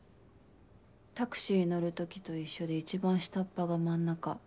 タクシー乗る時と一緒で一番下っ端が真ん中。